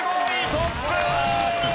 トップ！